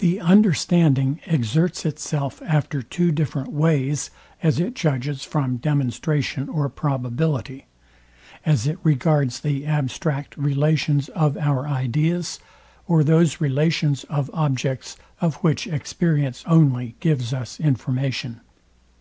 The understanding exerts itself after two different ways, as it judges from demonstration or probability; as it regards the abstract relations of our ideas, or those relations of objects, of which experience only gives us information.